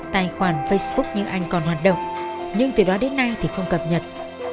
tài khoản facebook như anh còn hoạt động nhưng từ đó đến nay thì không cập nhật